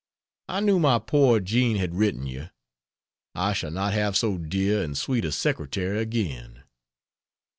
I knew my poor Jean had written you. I shall not have so dear and sweet a secretary again.